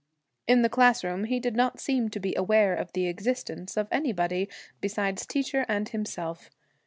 In the classroom he did not seem to be aware of the existence of anybody besides Teacher and himself.